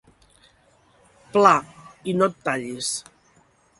Pla, i no et tallis.